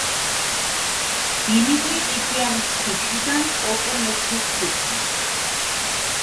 დიმიტრი ყიფიანის ქუჩიდან კოტე მესხის ქუჩამდე.